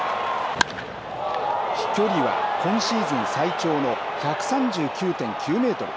飛距離は今シーズン最長の１３９．９メートル。